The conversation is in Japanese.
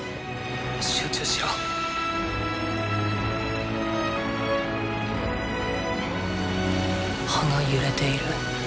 集中しろ葉が揺れている。